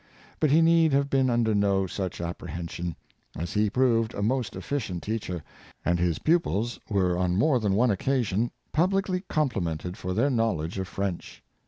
But he need have been under no such apprehension, as he proved a most efficient teacher, and his pupils were on more than one occasion publicly complimented for their knowledge of French.